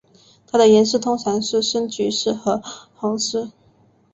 它们的颜色通常是深橙色或红色。